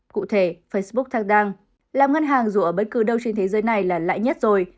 cụ thể facebook tangdang làm ngân hàng dù ở bất cứ đâu trên thế giới này là lãi nhất rồi